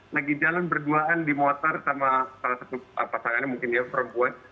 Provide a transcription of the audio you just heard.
lagi jalan berduaan di motor sama salah satu pasangannya mungkin ya perempuan